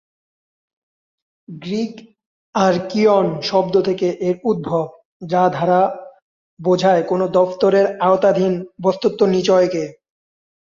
Greek ‘আর্কিয়ন’ শব্দ থেকে এর উদ্ভব, যা দ্বারা বোঝায় কোনো দফতরের আয়ত্তাধীন বস্ত্তনিচয়কে।